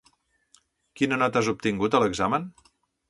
Quina nota has obtingut a l'examen?